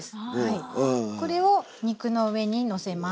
これを肉の上にのせます。